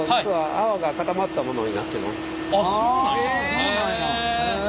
そうなんやへえ。